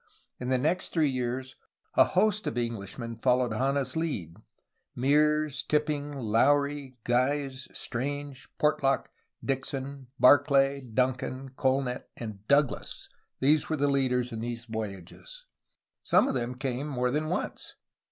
In the next three years a host of Englishmen followed Hanna's lead. Meares, Tipping, Lowrie, Guise, Strange, Portlock, Dixon, Barclay, Duncan, Colnett, and Douglas were the leaders in these voyages; some of them came more than once.